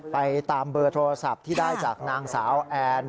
ไปตามเบอร์โทรศัพท์ที่ได้จากนางสาวแอน